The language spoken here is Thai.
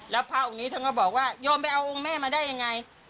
แล้วพระองค์นี้ท่านก็บอกว่าโยมไปเอาองค์แม่มาได้ยังไง